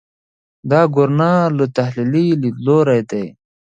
دا ګورنه له تحلیلي لیدلوري ده.